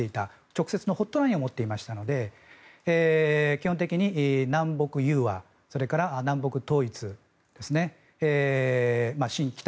直接のホットラインを持っていましたので基本的に南北融和それから南北統一ですね親北